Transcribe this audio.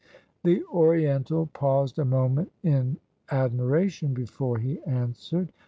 The Oriental paused a moment in admiration before he answered.